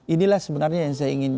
inilah sebenarnya yang saya ingin